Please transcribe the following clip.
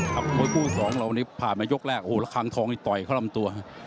ครับคู่๒เราวันนี้ผ่านมายกแรกโอ้โหระคังทองนี่ต่อยเขาลำตัวครับ